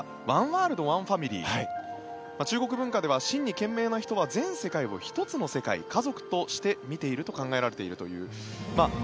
ワンワールド・ワンファミリー中国文化では真に賢明な人は全世界を１つの世界、家族として見ていると考えられているという。